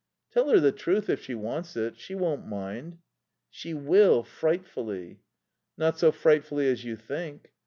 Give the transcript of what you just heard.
"Tell her the truth, if she wants it. She won't mind." "She will frightfully." "Not so frightfully as you think."